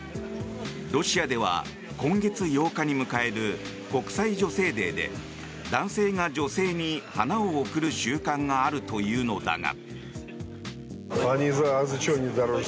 ロシアでは今月８日に迎える国際女性デーで男性が女性に花を贈る習慣があるというのだが。